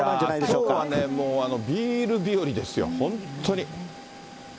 きょうはね、ビール日和ですよ、本当に。